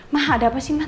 ma ada apa sih